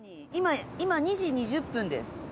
今２時２０分です。